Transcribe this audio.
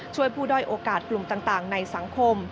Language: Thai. ช่วยผู้ด้อยโอกาสกลุ่มต่างในสังคม